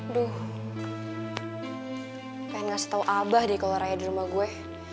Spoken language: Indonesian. aduh pengen ngasih tau abah deh kalo raya di rumah gue